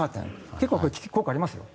結構、効果があります。